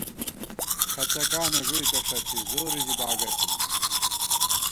کھڅَکانہ ݫُوئیکہ ݭَڅی زورے ژی باگہ ݪِمان